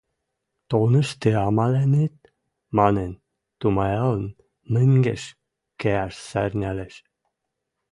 «Тонышты амаленӹт», — манын тумаялын, мӹнгеш кеӓш сӓрнӓлеш